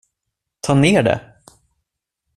Ta ner det!